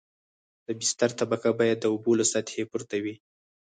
د بستر طبقه باید د اوبو له سطحې پورته وي